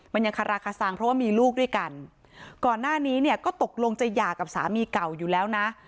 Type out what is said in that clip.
มันยังคาราคาซังเพราะว่ามีลูกด้วยกันก่อนหน้านี้เนี่ยก็ตกลงจะหย่ากับสามีเก่าอยู่แล้วนะ